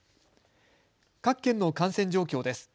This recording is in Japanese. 各県の感染状況です。